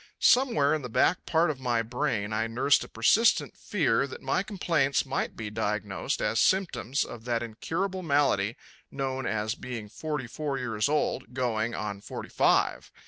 Somewhere in the back part of my brain I nursed a persistent fear that my complaints might be diagnosed as symptoms of that incurable malady known as being forty four years old, going, on forty five.